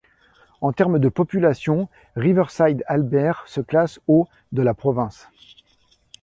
En termes de population, Riverside-Albert se classe au de la province.